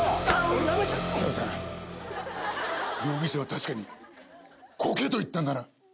さぶさん容疑者は確かに「コケ」と言ったんだな？